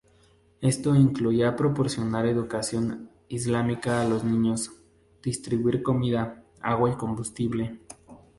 Esto incluía proporcionar educación islámica a los niños, y distribuir comida, agua y combustible.